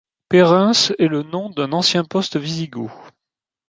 Peyrens est le nom d'un ancien poste wisigoth.